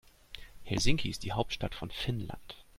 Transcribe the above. Helsinki ist die Hauptstadt von Finnland.